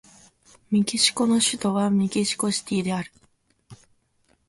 メキシコの首都はメキシコシティである